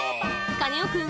「カネオくん」